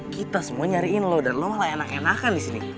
kita semua nyariin lo dan lo malah enak enakan di sini